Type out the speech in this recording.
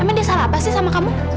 emang dia salah apa sih sama kamu